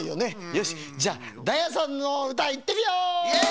よしじゃあダイヤさんのうたいってみよう！